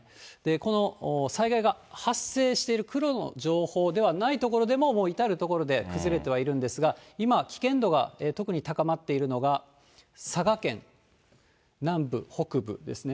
この災害が発生している黒の情報ではない所でも、もう至る所で崩れて入るんですが、今、危険度が特に高まっているのが、佐賀県南部、北部ですね。